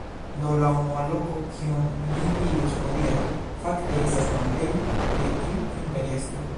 Do, la unua loko, kiun mi vidos hodiaŭ fakte estas tombejo de iu imperiestro